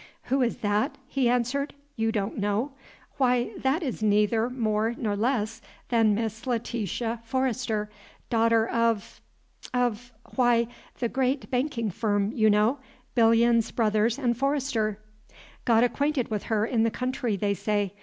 "Who is that?" he answered. "You don't know? Why, that is neither more nor less than Miss Letitia Forrester, daughter of of why, the great banking firm, you know, Bilyuns Brothers & Forrester. Got acquainted with her in the country, they say.